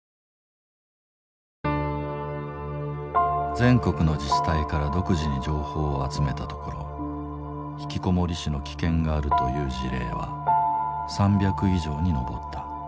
全国の自治体から独自に情報を集めたところひきこもり死の危険があるという事例は３００以上に上った。